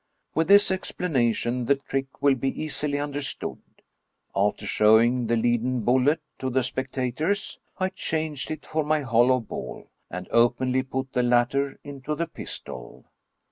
With this explanation, the trick will be easily under stood. After showing the leaden bullet to the spectators, I changed it for my hollow ball, and openly put the latter into the pistol.